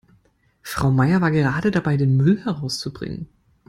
Frau Meier war gerade dabei, den Müll herauszubringen.